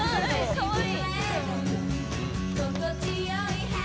かわいい。